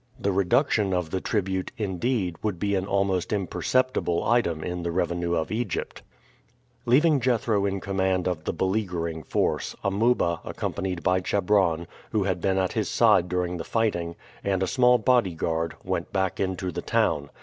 The reduction of the tribute, indeed, would be an almost imperceptible item in the revenue of Egypt. Leaving Jethro in command of the beleaguering force, Amuba, accompanied by Chebron, who had been by his side during the fighting, and a small bodyguard, went back into the town.